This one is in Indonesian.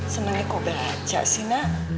senengnya kau baca sih nak